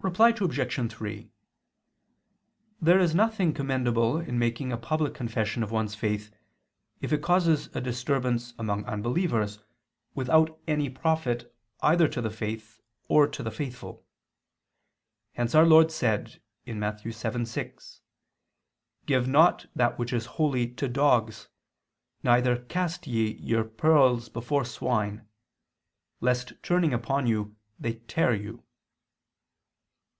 Reply Obj. 3: There is nothing commendable in making a public confession of one's faith, if it causes a disturbance among unbelievers, without any profit either to the faith or to the faithful. Hence Our Lord said (Matt. 7:6): "Give not that which is holy to dogs, neither cast ye your pearls before swine ... lest turning upon you, they tear you."